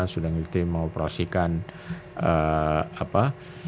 sudah mengerti mengoperasikan apa